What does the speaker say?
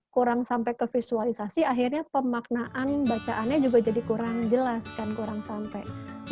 kurang sampai ke visualisasi akhirnya pemaknaan bacaannya juga jadi kurang jelas kan kurang sampai